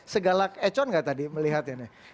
segalak econ enggak tadi melihatnya nih